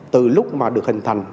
từ lúc mà được hình thành